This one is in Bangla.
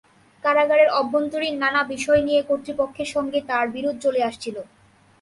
কারাগারের অভ্যন্তরীণ নানা বিষয় নিয়ে কর্তৃপক্ষের সঙ্গে তাঁর বিরোধ চলে আসছিল।